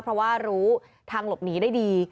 เพราะว่ารู้ทางหลบหนีได้ดี